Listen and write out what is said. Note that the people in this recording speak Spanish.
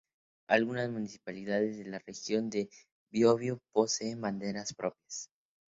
Algunas municipalidades de la Región del Biobío poseen banderas propias.